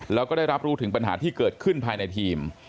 แล้วก็ได้รับรู้ถึงปัญหาที่เกิดขึ้นภายในทีม